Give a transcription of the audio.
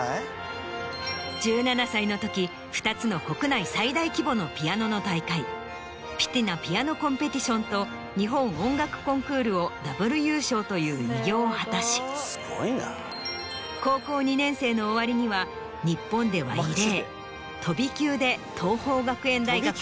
１７歳の時２つの国内最大規模のピアノの大会ピティナ・ピアノコンペティションと日本音楽コンクールをダブル優勝という偉業を果たし高校２年生の終わりには日本では異例。